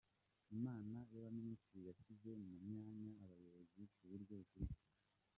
Inama y’Abaminisitiri yashyize mu myanya abayobozi ku buryo bukurikira:.